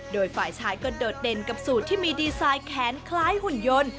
โดยฝ่ายชายก็โดดเด่นกับสูตรที่มีดีไซน์แขนคล้ายหุ่นยนต์